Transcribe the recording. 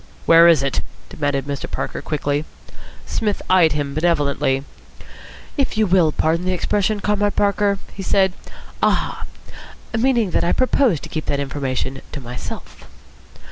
"Where is it?" demanded Mr. Parker quickly. Psmith eyed him benevolently. "If you will pardon the expression, Comrade Parker," he said, "'Aha!' Meaning that I propose to keep that information to myself."